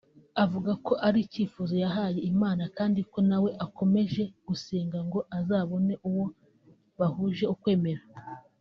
yavuze ko ari icyifuzo yahaye Imana kandi ko nawe akomeje gusenga ngo azabone uwo bahuje ukwemera